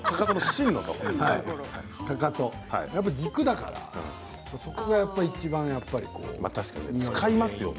軸だからそこがやっぱり使いますよね。